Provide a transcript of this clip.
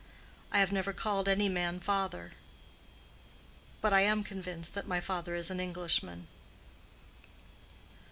I have never called any man father. But I am convinced that my father is an Englishman."